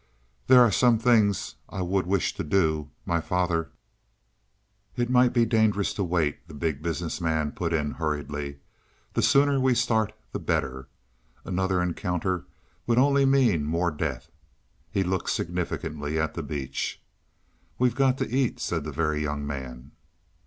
"There are some things I would wish to do my father " "It might be dangerous to wait," the Big Business Man put in hurriedly. "The sooner we start, the better. Another encounter would only mean more death." He looked significantly at the beach. "We've got to eat," said the Very Young Man.